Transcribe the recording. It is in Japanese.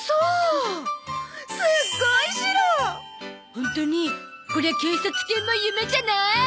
ホントにこれは警察犬も夢じゃない！